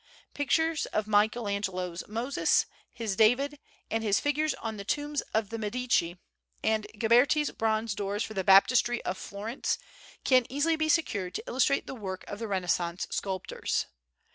Pictures of Michelangelo's Moses, his David, and his figures on the tombs of the Medici, and Ghiberti's bronze doors for the baptistry of Florence can easily be secured to illustrate the work of the Renaissance sculptors.